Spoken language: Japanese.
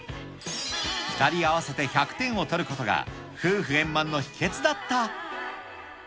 ２人合わせて１００点を取ることが、夫婦円満の秘けつだった。